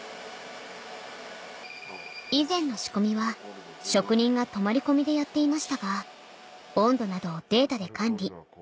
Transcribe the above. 以前の仕込みは職人が泊まり込みでやっていましたが温度などをデータで管理